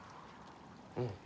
うん。